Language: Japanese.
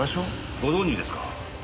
ご存じですか？